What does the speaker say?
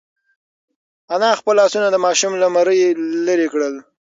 انا خپل لاسونه د ماشوم له مرۍ لرې کړل.